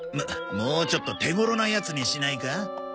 もうちょっと手頃なやつにしないか？